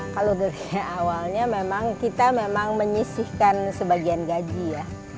kalau awalnya memang kita memang menyisihkan sebagian gaji ya